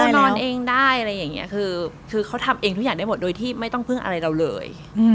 นอนเองได้อะไรอย่างนี้คือเขาทำเองทุกอย่างได้หมดโดยที่ไม่ต้องพึ่งอะไรเราเลย